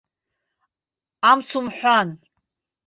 Амц умҳәан!